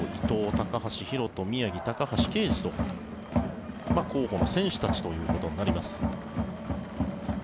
高橋宏斗宮城、高橋奎二と候補の選手たちということになります。